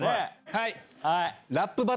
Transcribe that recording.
はい！